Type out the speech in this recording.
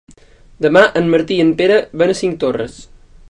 Demà en Martí i en Pere van a Cinctorres.